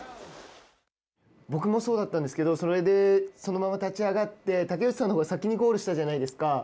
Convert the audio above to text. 僕もそうだったんですけれどそれで、そのまま立ち上がって竹内さんのほうが先にゴールしたじゃないですか。